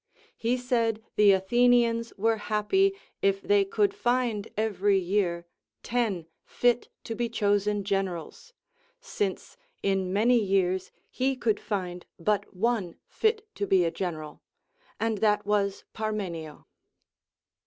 He said the Athenians were happy, if they could find every year ten fit to be chosen generals, since in many years he could find but one fit to be a general, and that was Parmenio.